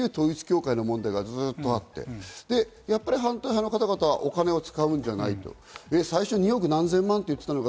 そこから旧統一教会の問題がずっとあって、反対派の方々は、お金を使うんじゃないと。